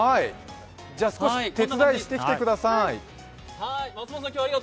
じゃあ、少し手伝いしてきてください。